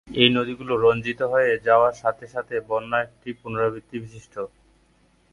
এই নদীগুলি রঞ্জিত হয়ে যাওয়ার সাথে সাথে বন্যা একটি পুনরাবৃত্তি বৈশিষ্ট্য।